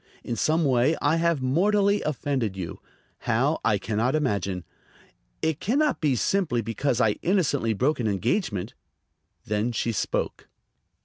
In some way I have mortally offended you; how, I can not imagine. It can not be simply because I innocently broke an engagement." Then she spoke.